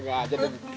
gak ada lagi